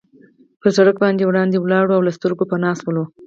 پر سړک باندې وړاندې ولاړل او له سترګو پناه شول.